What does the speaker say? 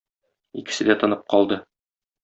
Икесе дә тынып калды.